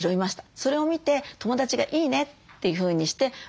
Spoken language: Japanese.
それを見て友達が「いいね」というふうにしてまたやる。